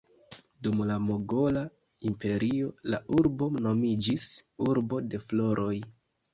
Dum la Mogola Imperio la urbo nomiĝis "Urbo de floroj".